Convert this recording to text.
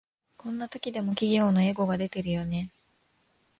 こんな時でも企業のエゴが出てるよね